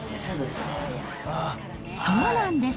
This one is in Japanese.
そうなんです。